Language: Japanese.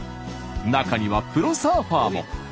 中にはプロサーファーも。